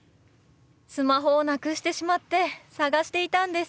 スマホをなくしてしまって探していたんです。